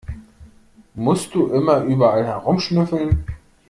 Musst du immer überall herumschnüffeln?